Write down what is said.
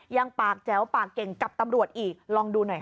ยังปากแจ๋วปากเก่งกับตำรวจอีกลองดูหน่อยค่ะ